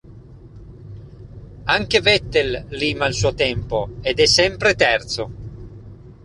Anche Vettel lima il suo tempo, ed è sempre terzo.